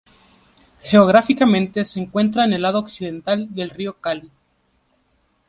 Geográficamente se encuentra en el lado occidental del Río Cali.